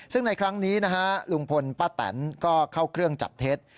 ซึ่งในครั้งนี้นะฮะลุงพลป้าแตนก็เข้าเครื่องจับเท็จ